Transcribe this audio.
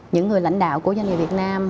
những người lãnh đạo của doanh nghiệp việt nam